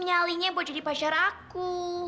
nyalinya buat jadi pacar aku